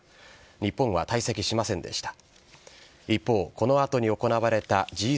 日本は退席しませんでした。